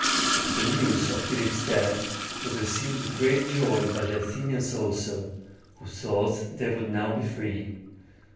The news of Philip's death was received with great joy by the Athenians also, who thought they would now be free.